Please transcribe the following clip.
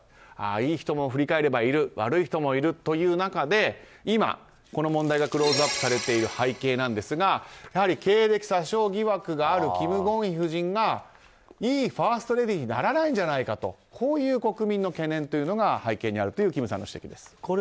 いい人も振り返ればいる悪い人もいるという中で今この問題がクローズアップされている原因なんですがやはり経歴詐称疑惑があるキム・ゴンヒ夫人がいいファーストレディーにならないんじゃないかとこういう国民の懸念が背景にあるという金さんの指摘です。